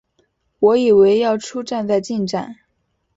我以为要出站再进站